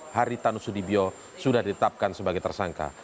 haritanusudibio sudah ditetapkan sebagai tersangka